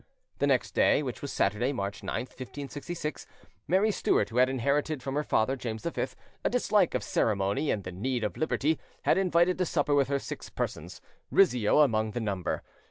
The next day, which was Saturday, March 9th, 1566, Mary Stuart, who had inherited from her father, James V, a dislike of ceremony and the need of liberty, had invited to supper with her six persons, Rizzio among the number.